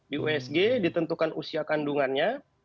di usg ditentukan usia kandungannya